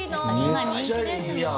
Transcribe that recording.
めっちゃいいやん。